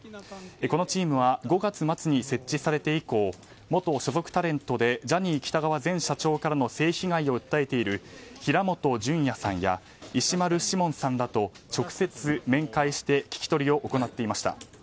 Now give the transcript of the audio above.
このチームは５月末に設置されて以降元所属タレントでジャニー喜多川前社長からの性被害を訴えている平本淳也さんや石丸志門さんらと直接面会して聞き取りを行ってきました。